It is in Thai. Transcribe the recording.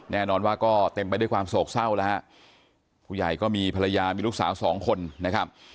แน่นอนว่าก็เต็มไปด้วยความโศกเศร้าแล้วฮะผู้ใหญ่ก็มีภรรยามีลูกสาวสองคนนะครับ